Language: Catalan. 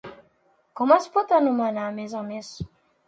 Com es pot anomenar a més a més?